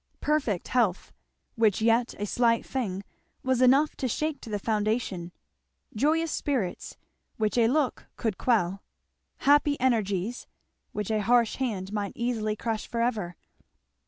Perfect health, which yet a slight thing was enough to shake to the foundation; joyous spirits, which a look could quell; happy energies, which a harsh hand might easily crush for ever.